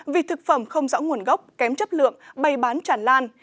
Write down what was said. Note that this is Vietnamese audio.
vì thực phẩm không rõ nguồn gốc kém chất lượng bày bán chản lan